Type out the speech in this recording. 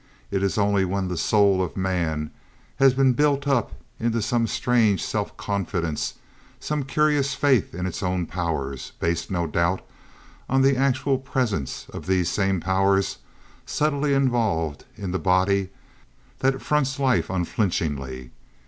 It is only when the soul of man has been built up into some strange self confidence, some curious faith in its own powers, based, no doubt, on the actual presence of these same powers subtly involved in the body, that it fronts life unflinchingly.